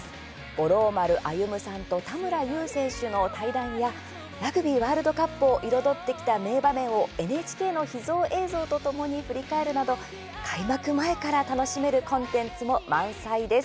五郎丸歩さんと田村優選手の対談やラグビーワールドカップを彩ってきた名場面をＮＨＫの秘蔵映像とともに振り返るなど開幕前から楽しめるコンテンツも満載です。